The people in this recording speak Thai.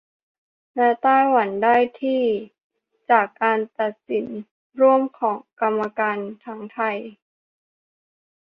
และไต้หวันได้ที่ จากการตัดสินร่วมของกรรมการทั้งไทย